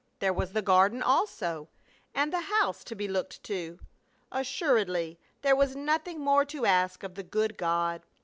There was the garden also, and the house to be looked to. Assuredly, there was nothing more to ask of the good God.